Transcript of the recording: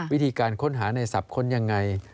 วิธีการค้นหาในศัพท์ค้นยังไง